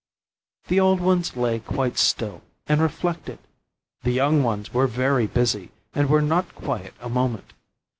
The old ones lay quite still, and reflected; the young ones were very busy, and were not quiet a moment.